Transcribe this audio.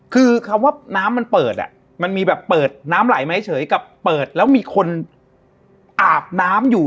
คือคำว่าน้ำมันเปิดอ่ะมันมีแบบเปิดน้ำไหลมาเฉยกับเปิดแล้วมีคนอาบน้ำอยู่